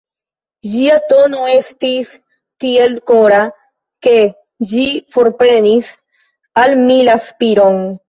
Ĝia tono estis tiel kora, ke ĝi forprenis al mi la spiron.